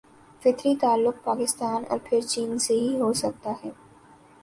فطری تعلق پاکستان اور پھر چین سے ہی ہو سکتا ہے۔